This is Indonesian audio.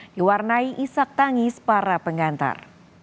diwarnai isak tangis para pengantar